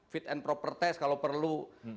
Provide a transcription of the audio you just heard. fit and proper test kalau perlu